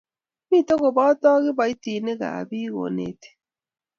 Mito koboto kiboitinikab biik konetik.